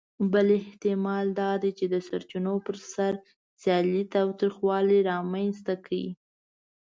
بل احتمال دا دی، چې د سرچینو پر سر سیالي تاوتریخوالي رامنځ ته کړه.